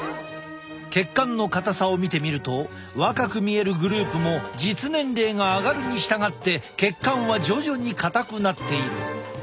血管の硬さを見てみると若く見えるグループも実年齢が上がるに従って血管は徐々に硬くなっている。